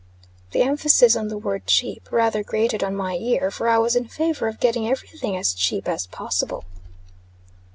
The emphasis on the word cheap, rather grated on my ear; for I was in favor of getting every thing as cheap as possible.